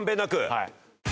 はい。